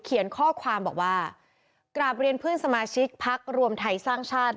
เขียนข้อความบอกว่ากราบเรียนเพื่อนสมาชิกพักรวมไทยสร้างชาติ